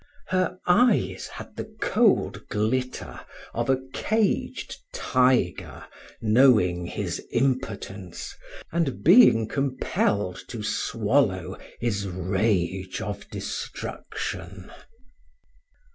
Her eyes had the cold glitter of a caged tiger, knowing his impotence and being compelled to swallow his rage of destruction.